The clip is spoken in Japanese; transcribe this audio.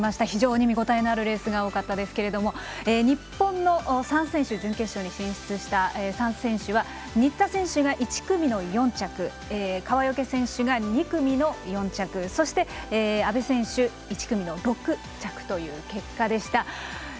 非常に見応えのあるレースが多かったですけども日本の準決勝に進出した３選手は新田選手が１組の４着川除選手が２組の４着そして阿部選手が１組の６着という結果でした。